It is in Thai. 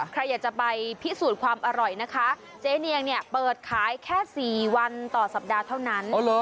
ใครอยากจะไปพิสูจน์ความอร่อยนะคะเจ๊เนียงเนี่ยเปิดขายแค่๔วันต่อสัปดาห์เท่านั้น